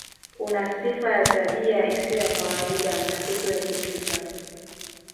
Una sifa ya tabia isiyo ya kawaida na kutoepukika